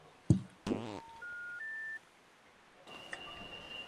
Morgan Asia.